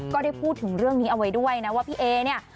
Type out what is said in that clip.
ก็ได้พูดถึงเรื่องนี้เอาไว้ด้วยนะว่าพี่เอเนี่ย